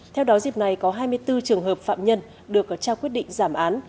theo đó dịp này có hai mươi bốn trường hợp phạm nhân được trao quyết định giảm án